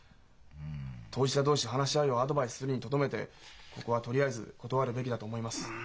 当事者同士話し合うようアドバイスするにとどめてここはとりあえず断るべきだと思います。